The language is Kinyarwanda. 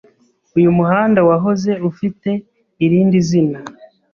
Uyu muhanda wahoze ufite irindi zina.